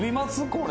これ。